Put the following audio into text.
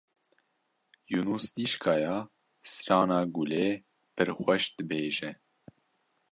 Yûnûs dîşkaya strana Gulê pir xweş dibêje.